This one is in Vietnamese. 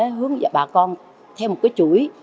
để hướng bà con theo một cái chuỗi